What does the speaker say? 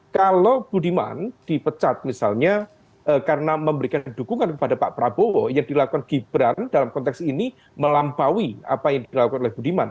kalau budiman dipecat misalnya karena memberikan dukungan kepada pak prabowo yang dilakukan gibran dalam konteks ini melampaui apa yang dilakukan oleh budiman